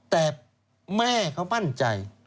แต่แม่เขามั่นใจ